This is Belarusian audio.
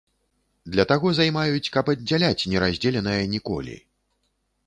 Для таго займаюць, каб аддзяляць не раздзеленае ніколі.